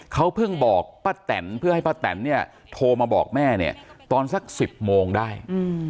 เขาเพิ่งบอกป้าแตนเพื่อให้ป้าแตนเนี่ยโทรมาบอกแม่เนี่ยตอนสัก๑๐โมงได้